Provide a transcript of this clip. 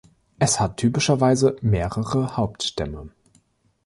Es hat typischerweise mehrere Hauptstämme.